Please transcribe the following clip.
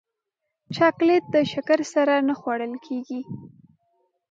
چاکلېټ د شکر سره نه خوړل کېږي.